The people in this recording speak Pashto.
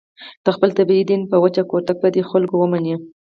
د خپلې طبعې دین به په وچ کوتک په دې خلکو ومني.